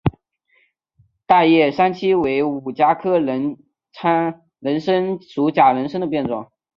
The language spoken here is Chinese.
大叶三七为五加科人参属假人参的变种。